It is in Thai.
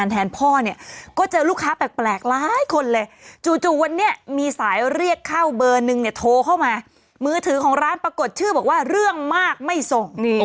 กันแทนพ่อเนี่ยก็เจอลูกค้าแปลกหลายคนเลยจู่วันนี้มีสายเรียกเข้าเบอร์นึงเนี่ยโทรเข้ามามือถือของร้านปรากฏชื่อบอกว่าเรื่องมากไม่ส่ง